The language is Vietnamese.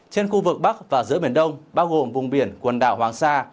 trên khu vực bắc và giữa biển đông bao gồm vùng biển quần đảo hoàng sa